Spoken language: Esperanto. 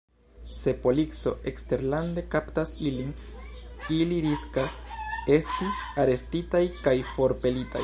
Se polico eksterlande kaptas ilin, ili riskas esti arestitaj kaj forpelitaj.